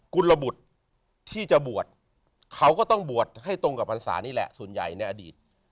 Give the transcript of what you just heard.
กุลบุตรที่จะบวชเขาก็ต้องบวชให้ตรงกับพรรษานี่แหละส่วนใหญ่ในอดีต